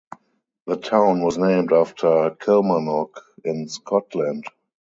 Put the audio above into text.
The town was named after Kilmarnock, in Scotland.